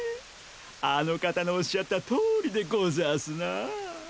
あの方のおっしゃった通りでござぁすなああ。